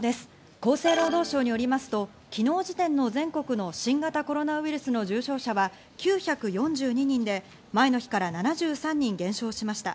厚生労働省によりますと、昨日時点の全国の新型コロナウイルスの重症者は、９４２人で前の日から７３人減少しました。